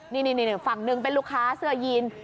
นี่ฝั่งหนึ่งเป็นลูกค้าเสื้อยีน